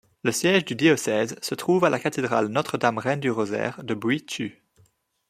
Le siège du diocèse se trouve à la cathédrale Notre-Dame-Reine-du-Rosaire de Bùi Chu.